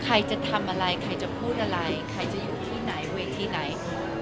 ใครจะทำอะไรใครจะพูดอะไรใครจะอยู่ที่ไหนเวทีไหน